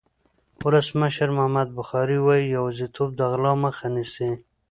ولسمشر محمد بخاري وایي یوازېتوب د غلا مخه نیسي.